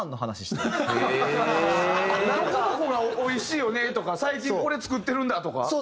「どこどこがおいしいよね」とか「最近これ作ってるんだ」とか？